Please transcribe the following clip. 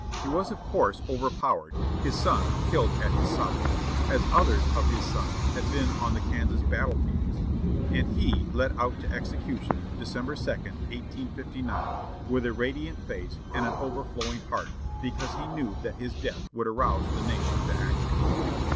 He was of course overpowered, his sons killed at his side, as others of his sons had been on the Kansas battlefields, and he led out to execution, December 2, 1859, with a radiant face and an overflowing heart, because he knew that his death would arouse the nation to action.